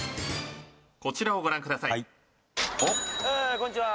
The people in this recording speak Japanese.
こんにちは。